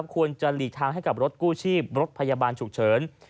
ควรจะหลีกทางให้กับรถกู้ชีพรถพยาบาลฉุกเฉิน